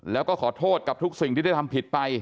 แล้วก็ขอโทษกับทุกสิ่งที่ได้ทำผิดไป